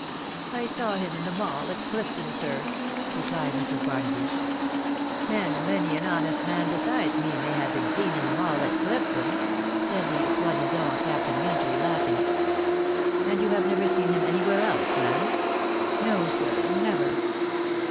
" I saw him in the 'Mall at Clifton, sir," .... replied Mrs. Barnaby. " And many an honest man besides me may have been seen in the Mall at Clifton," said the soi< <lisant Captain Maintry laughing. " And you have never seen him any where else, ma'am ?"" No, sir, never."